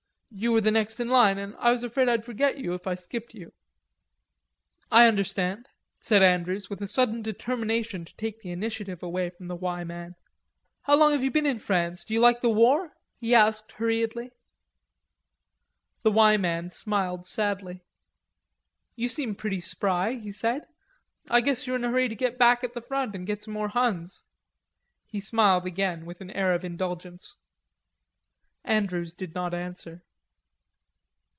You were the next in line, an' I was afraid I'd forget you, if I skipped you." "I understand," said Andrews, with a sudden determination to take the initiative away from the "Y" man. "How long have you been in France? D'you like the war?" he asked hurriedly. The "Y" man smiled sadly. "You seem pretty spry," he said. "I guess you're in a hurry to get back at the front and get some more Huns." He smiled again, with an air of indulgence. Andrews did not answer.